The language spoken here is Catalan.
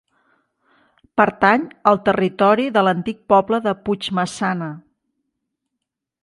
Pertany al territori de l'antic poble de Puigmaçana.